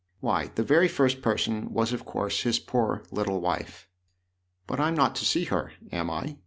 " Why, the very first person was of course his poor little wife." " But I'm not to see her> am I